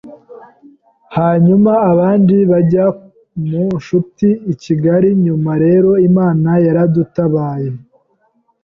hanyuma abandi bajya mu nshuti i Kigali, nyuma, rero, Imana yaradutabaye